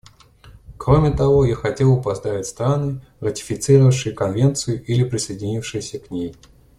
Кроме того, я хотел бы поздравить страны, ратифицировавшие Конвенцию или присоединившиеся к ней.